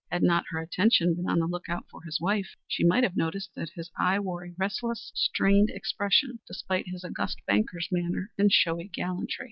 Had not her attention been on the lookout for his wife she might have noticed that his eye wore a restless, strained expression despite his august banker's manner and showy gallantry.